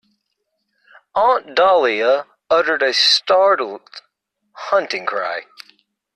Aunt Dahlia uttered a startled hunting cry.